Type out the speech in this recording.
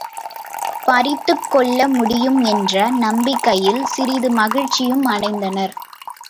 பறித்துக் கொள்ள முடியும் என்ற நம்பிக்கையில் சிறிது மகிழ்ச்சியும் அடைந்தனர்.